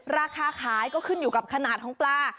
ราคาขายก็ขึ้นอยู่กับขนาดของปลา